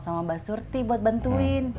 sama mbak surti buat bantuin